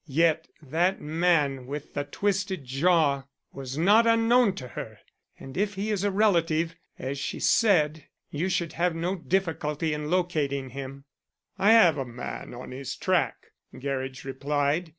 Yet that man with the twisted jaw was not unknown to her, and if he is a relative, as she said, you should have no difficulty in locating him." "I have a man on his track," Gerridge replied.